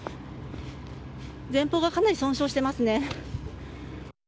前方がかなり損傷していますね。